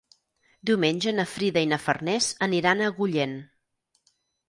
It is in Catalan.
Diumenge na Frida i na Farners aniran a Agullent.